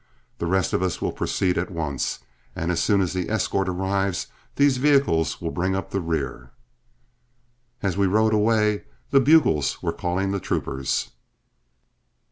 The rest of us will proceed at once, and as soon as the escort arrives, these vehicles will bring up the rear." As we rode away, the bugles were calling the troopers.